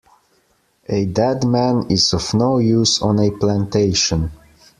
A dead man is of no use on a plantation.